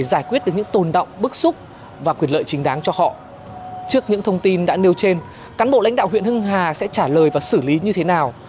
lãnh đạo huyện hưng hà sẽ trả lời và xử lý như thế nào